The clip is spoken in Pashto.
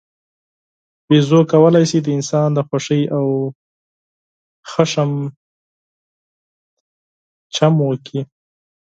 بیزو کولای شي د انسان د خوښۍ او غوسې تقلید وکړي.